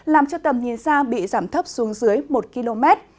làm cho tầm nhìn xa bị giảm thấp xuống dưới một km